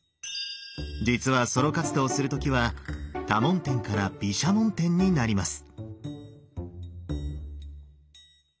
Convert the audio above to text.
実はソロ活動する時は多聞天から毘沙門天になります。